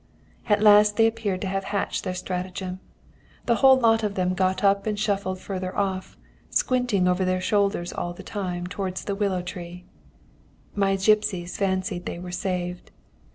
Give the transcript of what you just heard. "At last they appeared to have hatched their stratagem. The whole lot of them got up and shuffled farther off, squinting over their shoulders all the time towards the willow tree. "My gipsies fancied they were saved.